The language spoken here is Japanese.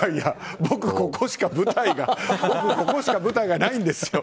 僕、ここしか舞台がないんですよ。